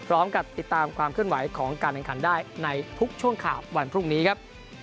พร้อมกับติดตามความเคลื่อนไหวของการแข่งขันได้ในทุกช่วงข่าววันพรุ่งนี้ครับ